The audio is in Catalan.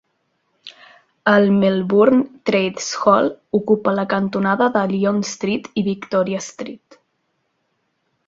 El Melbourne Trades Hall ocupa la cantonada de Lygon Street i Victoria Street.